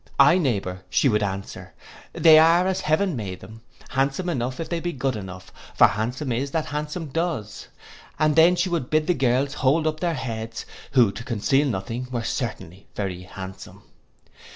'—'Ay, neighbour,' she would answer, 'they are as heaven made them, handsome enough, if they be good enough; for handsome is that handsome does.' And then she would bid the girls hold up their heads; who, to conceal nothing, were certainly very handsome.